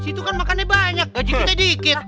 situ kan makannya banyak gaji kita dikit